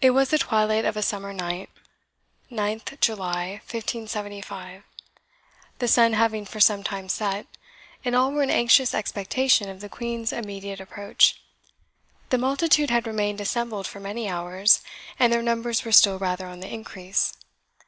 It was the twilight of a summer night (9th July, 1575), the sun having for some time set, and all were in anxious expectation of the Queen's immediate approach. The multitude had remained assembled for many hours, and their numbers were still rather on the increase.